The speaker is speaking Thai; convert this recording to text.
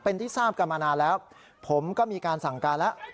เป็นที่ทราบกันมานานแล้วผมก็มีการสั่งการแล้ว